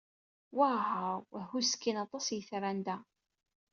Waw! Hhuskin aṭas yitran da.